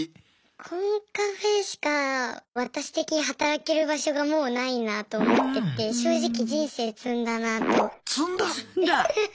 コンカフェしかわたし的に働ける場所がもうないなと思ってて正直人生詰んだなと。